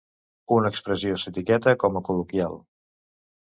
Una expressió s'etiqueta com a col·loquial.